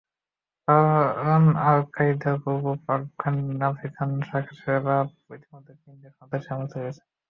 কারণ আল-কায়েদার পূর্ব আফ্রিকান শাখা শেবাব ইতিমধ্যে কেনিয়ায় সন্ত্রাসী হামলা চালিয়েছে।